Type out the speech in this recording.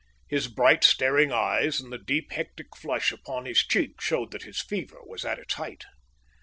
His bright, staring eyes and the deep, hectic flush upon his cheek showed that his fever was at its height.